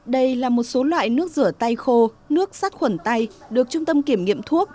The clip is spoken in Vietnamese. đây là một số loại nước rửa tay khô nước sát khuẩn tay được trung tâm kiểm nghiệm thuốc